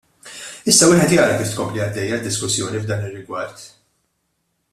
Issa wieħed jara kif tkompli għaddejja d-diskussjoni f'dan ir-rigward.